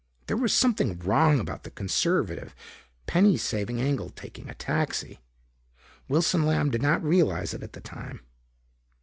There was something wrong about the conservative, penny saving Engel taking a taxi. Wilson Lamb did not realize it at the time.